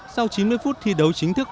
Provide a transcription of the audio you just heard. sau chín mươi phút thi đấu chính thức